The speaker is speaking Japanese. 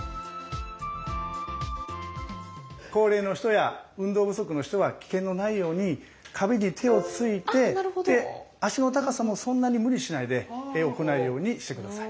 高齢の人や運動不足の人は危険のないように壁に手をついて脚の高さもそんなに無理しないで行うようにして下さい。